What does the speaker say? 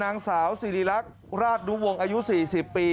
นางสาวศรีริลักษณ์ราธรุ่งหวงอายุ๔๐ปี